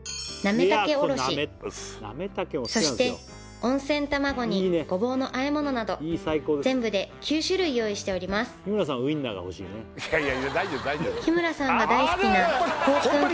温泉玉子にごぼうの和え物など全部で９種類用意しておりますきたよ